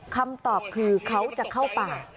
คำตอบคือเขาจะเข้าป่า